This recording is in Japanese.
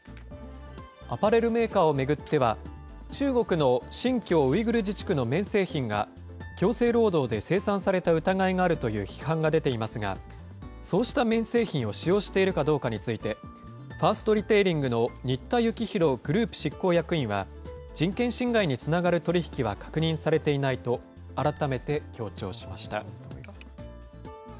アパレルメーカーを巡っては、中国の新疆ウイグル自治区の綿製品が強制労働で生産された疑いがあるという批判が出ていますが、そうした綿製品を使用しているかどうかについて、ファーストリテイリングの新田幸弘グループ執行役員は、人権侵害につながる取り引きは確認されていないと改めて強調しました。